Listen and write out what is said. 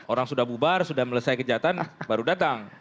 orang sudah bubar sudah melesai kejahatan baru datang